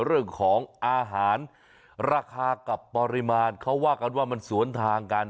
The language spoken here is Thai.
เรื่องของอาหารราคากับปริมาณเขาว่ากันว่ามันสวนทางกัน